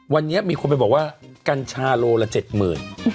วันนี้มีคนไปบอกว่ากัญชาโลละเจ็ดหมื่น